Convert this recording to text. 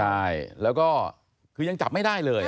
ใช่แล้วก็คือยังจับไม่ได้เลย